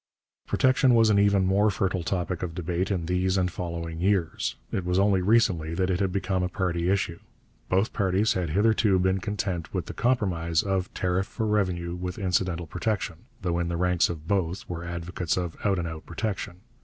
Protection was an even more fertile topic of debate in these and following years. It was only recently that it had become a party issue. Both parties had hitherto been content with the compromise of 'tariff for revenue, with incidental protection,' though in the ranks of both were advocates of out and out protection.